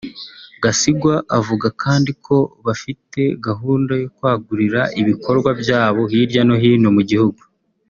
Gasigwa avuga kandi ko bafite gahunda yo kwagurira ibikorwa byabo hirya no hino mu gihugu